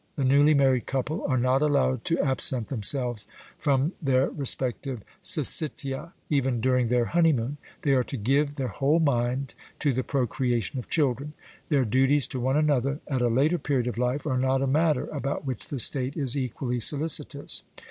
The newly married couple are not allowed to absent themselves from their respective syssitia, even during their honeymoon; they are to give their whole mind to the procreation of children; their duties to one another at a later period of life are not a matter about which the state is equally solicitous.